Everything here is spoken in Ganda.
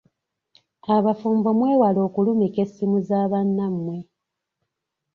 Abafumbo mwewale okulumika essimu za bannammwe.